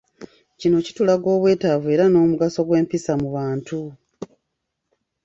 Kino kitulaga obwetaavu era n'omugaso gw'empisa mu bantu.